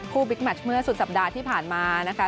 บิ๊กแมชเมื่อสุดสัปดาห์ที่ผ่านมานะคะ